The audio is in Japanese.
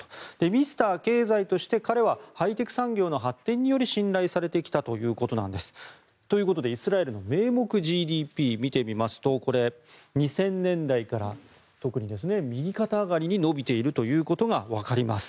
ミスター経済として彼はハイテク産業の発展により信頼されてきたということなんです。ということで、イスラエルの名目ＧＤＰを見てみますとこれ、２０００年代から特に右肩上がりに伸びているということがわかります。